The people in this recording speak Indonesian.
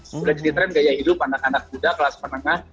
sudah jadi tren gaya hidup anak anak muda kelas menengah